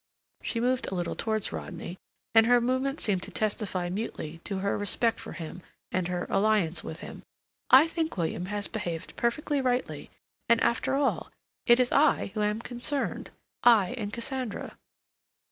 She moved a little towards Rodney, and her movement seemed to testify mutely to her respect for him, and her alliance with him. "I think William has behaved perfectly rightly, and, after all, it is I who am concerned—I and Cassandra."